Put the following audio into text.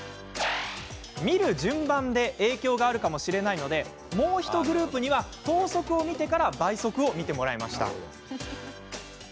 見る順番で影響があるかもしれないのでもう１グループには等速を見てから倍速を見てもらいました。